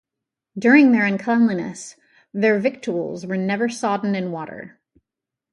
During their uncleanliness, their victuals were never sodden in water.